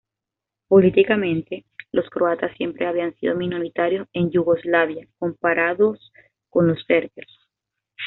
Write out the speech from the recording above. Políticamente, los croatas siempre habían sido minoritarios en Yugoslavia comparados con los serbios.